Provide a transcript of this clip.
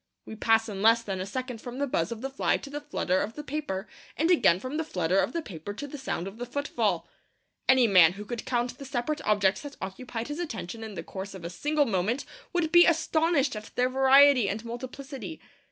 We pass in less than a second from the buzz of the fly to the flutter of the paper, and again from the flutter of the paper to the sound of the footfall. Any man who could count the separate objects that occupied his attention in the course of a single moment would be astonished at their variety and multiplicity.